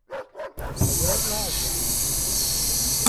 تایر را از لاستیک میسازند.